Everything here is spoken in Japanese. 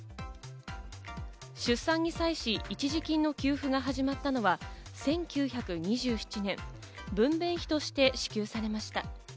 出産に際し、一時金の給付が始まったのは１９２７年、分娩費として支給されました。